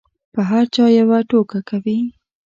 په هر چا یوه ټوکه کوي.